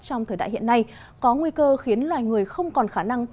trong thời đại hiện nay có nguy cơ khiến loài người không còn khả năng